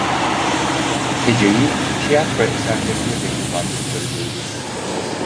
Heceyi tiyatro eserlerinde de kullandıkları görülür.